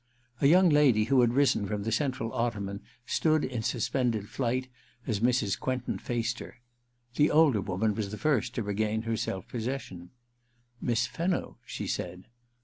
A young lady who had risen from the central ottoman stood in suspended flight as Mrs. Quentin faced her. The older woman was the first to regain her self possession. * Miss Fenno !' she said.